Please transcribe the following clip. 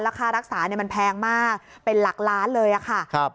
ค่ารักษามันแพงมากเป็นหลักล้านเลยค่ะ